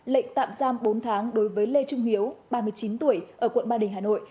lệnh tạm giam bốn tháng đối với lê trung hiếu ba mươi chín tuổi ở quận ba đình hà nội